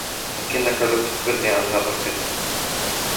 لكنك لم تخبرني عن هذا قط!